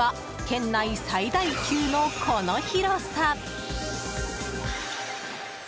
県内最大級のこの広さ。